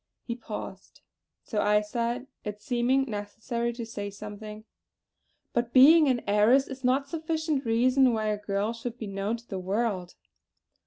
He paused; so I said it seeming necessary to say something: "But being an heiress is not sufficient reason why a girl should be known to the world."